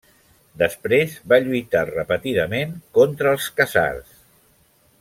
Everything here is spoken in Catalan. Després va lluitar repetidament contra els khàzars.